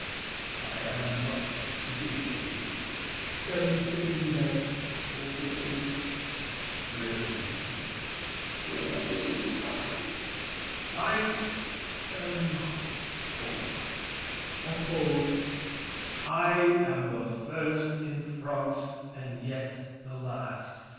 I am much to be pitied. [Going to window. Always rain. DUKE DE BELLEGARDE. Your Majesty is suffering? THE KING. I am bored. [A pause. I am the first in France and yet the last!